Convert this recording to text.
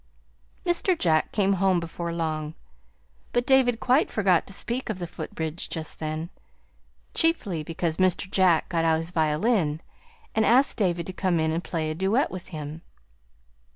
Mr. Jack came home before long, but David quite forgot to speak of the footbridge just then, chiefly because Mr. Jack got out his violin and asked David to come in and play a duet with him.